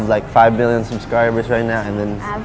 แล้ว๔โลกติดตาม